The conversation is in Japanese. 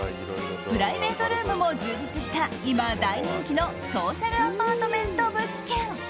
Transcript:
プライベートルームも充実した今、大人気のソーシャルアパートメント物件。